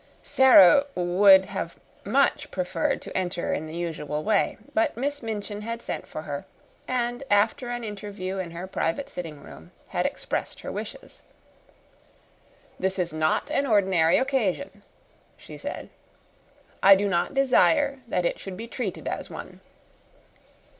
Sara would have much preferred to enter in the usual way, but Miss Minchin had sent for her, and, after an interview in her private sitting room, had expressed her wishes. "This is not an ordinary occasion," she said. "I do not desire that it should be treated as one."